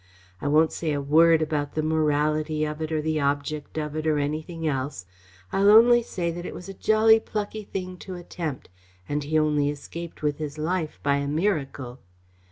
I won't say a word about the morality of it, or the object of it, or anything else. I'll only say that it was a jolly plucky thing to attempt and he only escaped with his life by a miracle."